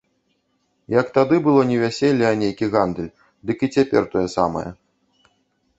Як тады было не вяселле, а нейкі гандаль, дык і цяпер тое самае.